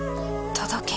届け。